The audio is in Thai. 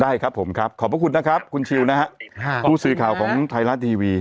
ได้ครับผมครับขอบพระคุณนะครับคุณชิวนะฮะคุณขอบพระคุณครับครับผู้สื่อข่าวของไทยรัสทีวี